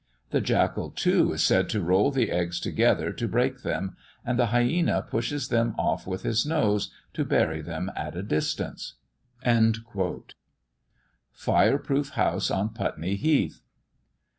The jackal, too, is said to roll the eggs together to break them; and the hyæna pushes them off with his nose, to bury them at a distance." FIRE PROOF HOUSE ON PUTNEY HEATH.